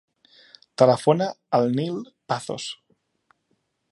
Telefona al Nil Pazos.